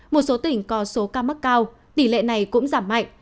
một số tỉnh có số ca mắc cao tỷ lệ này cũng giảm mạnh